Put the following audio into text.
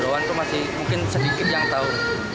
kalau untuk jeruan tuh mungkin sedikit yang tahu